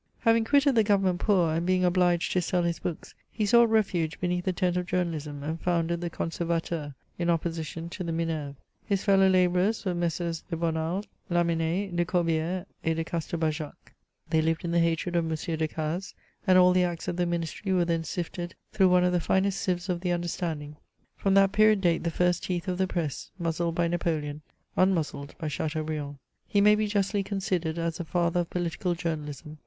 Having quitted the Government poor, and being obliged to sell his books/ he sought refuge beneath the tent of journa lism, and foi^nded the Comservatettr, in opposition to the Minerve. His fellow labourers were Messrs. de Bonald, Lamennais, de Corbi^res, and de Castelbajac. They lived in the hatred of M. Decaxes ; and all the acts of the Ministry were there sifted t^irough one of the finest sieves of the understanding. From that period date the first teeth of the press, muzzled by Napoleon, unmuzzled by Chateaubriand. He may be justly considered as the father of political journa lism.